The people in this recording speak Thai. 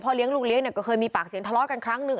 เลี้ยงลูกเลี้ยงก็เคยมีปากเสียงทะเลาะกันครั้งหนึ่ง